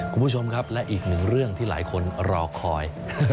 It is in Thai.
คุณผู้ชมครับและอีกหนึ่งเรื่องที่หลายคนรอคอย